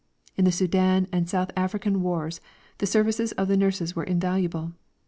In the Soudan and South African Wars the services of the nurses were invaluable.